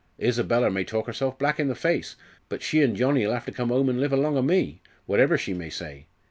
Isabella may talk herself black i' the face, but she and Johnnie'll have to come 'ome and live along o' me, whatever she may say.